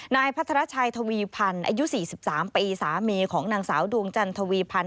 นายพัทรชัยทวีพันธ์อายุ๔๓ปีสามีของนางสาวดวงจันทวีพันธ